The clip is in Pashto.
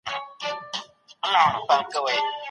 څنګه نوی ولسمشر پر نورو هیوادونو اغیز کوي؟